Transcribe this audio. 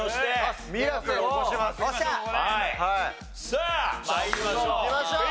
さあ参りましょう。